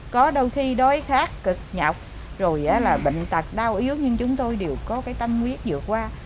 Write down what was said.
có đôi khi đói khát cực nhọc rồi là bệnh tạc đau yếu nhưng chúng tôi đều có cái tâm nguyết vượt qua